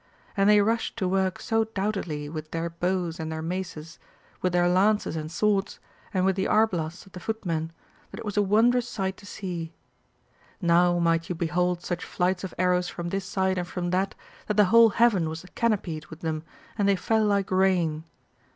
And they rushed to work so doughtily with their bows and their maces, with their lances and swords, and with the arblasts of the footmen, that it was a wondrous sight to see. Now might you behold such flights of arrows from this side and from that, that the whole heaven was canopied with them and they fell like rain.